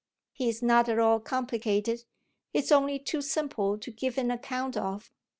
"He's not at all complicated; he's only too simple to give an account of.